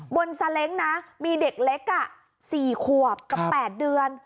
บนแซเล้งนะมีเด็กเล็กอ่ะ๔ครับกับ๘เดือน